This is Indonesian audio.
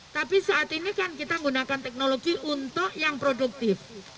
tapi saat ini kan kita menggunakan teknologi untuk yang produktif